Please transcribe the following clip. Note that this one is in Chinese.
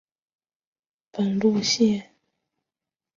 本路线曾因班次少而饱受乘客诟病。